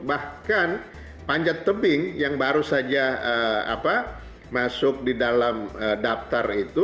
bahkan panjat tebing yang baru saja masuk di dalam daftar itu